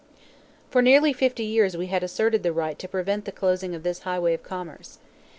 For nearly fifty years we had asserted the right to prevent the closing of this highway of commerce.